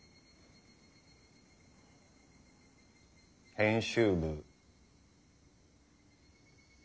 編集部。